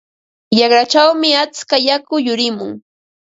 Raqrachawmi atska yaku yurimun.